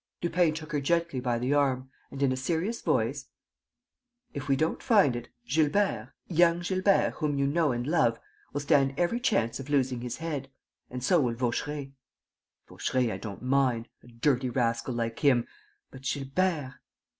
Lupin took her gently by the arm and, in a serious voice: "If we don't find it, Gilbert, young Gilbert whom you know and love, will stand every chance of losing his head; and so will Vaucheray." "Vaucheray I don't mind ... a dirty rascal like him! But Gilbert...."